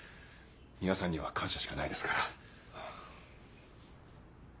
三輪さんには感謝しかないですから。